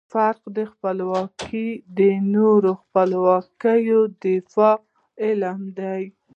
فکري خپلواکي د نورو خپلواکیو د دفاع علم دی.